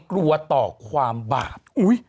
กลัวต่อความบาป